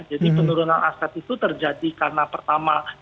jadi penurunan aset itu terjadi karena pertama